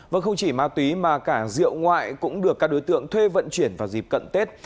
vâng không chỉ ma túy mà cả rượu ngoại cũng được các đối tượng thuê vận chuyển vào dịp cận tết